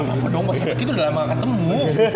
apa dong pas kek itu udah lama gak ketemu